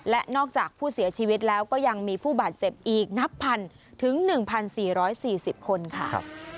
และนอกจากผู้เสียชีวิตแล้วก็ยังมีผู้บาดเจ็บอีกนับพันถึง๑๔๔๐คนค่ะ